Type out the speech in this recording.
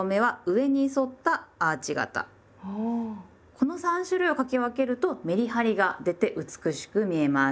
この３種類を書き分けるとメリハリが出て美しく見えます。